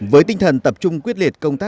với tinh thần tập trung quyết liệt công tác